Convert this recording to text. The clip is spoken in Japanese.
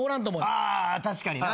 あ確かにな。